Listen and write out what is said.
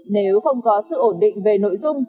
nếu không có sự ổn định về nội dung